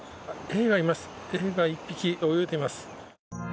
エイが１匹、泳いでいます。